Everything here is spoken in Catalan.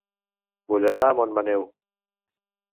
Vull anar a Montmaneu